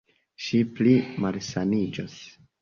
Ŝi pli malsaniĝos.